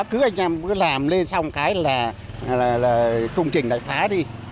cứ anh em cứ làm lên xong cái là công trình lại phá đi